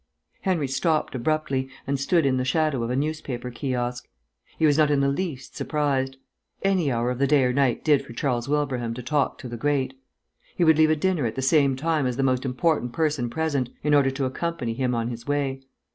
Henry stopped abruptly, and stood in the shadow of a newspaper kiosk. He was not in the least surprised. Any hour of the day or night did for Charles Wilbraham to talk to the great. He would leave a dinner at the same time as the most important person present, in order to accompany him on his way.